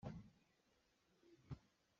Nangmah na ṭhat ahcun midang zong an ṭha ve.